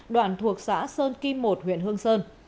đoạn thuộc xã sơn kim một huyện hương sơn